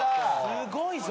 すごいぞ。